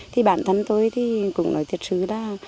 thì bản thân tôi cũng nói thiệt sự là